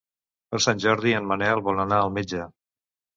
Per Sant Jordi en Manel vol anar al metge.